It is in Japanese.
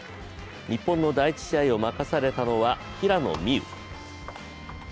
日本の第１試合を任されたのは平野美宇。